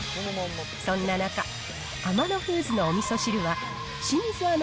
そんな中、アマノフーズのおみそ汁は、清水アナ